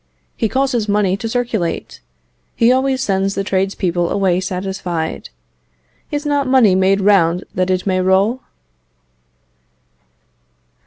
He causes money to circulate; he always sends the tradespeople away satisfied. Is not money made round that it may roll?"